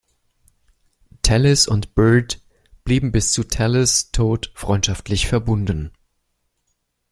Tallis und Byrd blieben bis zu Tallis’ Tod freundschaftlich verbunden.